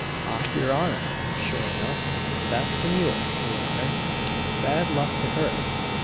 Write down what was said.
"Off, your honour, sure enough that's the mule, your honour, bad luck to her!"